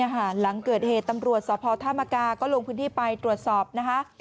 หลังเกิดเหตุตำรวจสภธามกาก็ลงพื้นที่ไปตรวจสอบนะคะ